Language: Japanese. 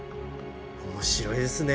面白いですね